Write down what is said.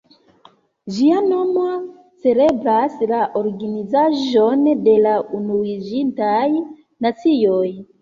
Ĝia nomo celebras la organizaĵon de la Unuiĝintaj Nacioj.